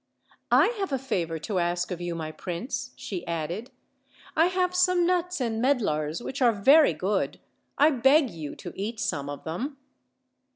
"I have a favor to ask of you, my prince," she added; "I have some nuts and medlars which are very good; I beg you to eat some of them."